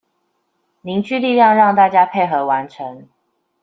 凝聚力量讓大家配合完成